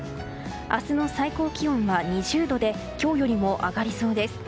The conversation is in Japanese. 明日の最高気温は２０度で今日よりも上がりそうです。